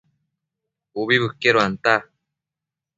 Ubi bëqueduanta